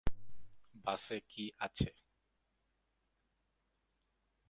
বাসে কি আছে?